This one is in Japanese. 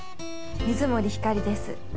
水森ひかりです。